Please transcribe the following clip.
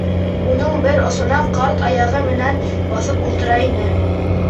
Уның бер осона ҡарт аяғы менән баҫып ултыра ине.